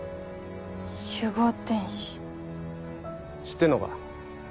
知ってんのか？